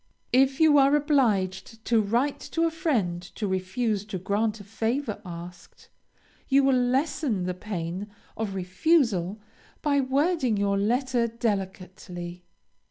If you are obliged to write to a friend to refuse to grant a favor asked, you will lessen the pain of refusal by wording your letter delicately.